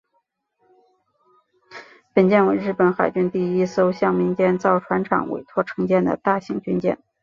本舰为日本海军第一艘向民间造船厂委托承建的大型军舰。